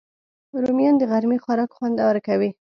رومیان د غرمې خوراک خوندور کوي